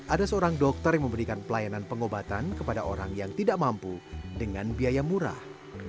ada seorang dokter yang memberikan pelayanan pengobatan kepada orang yang tidak mampu dengan biaya murah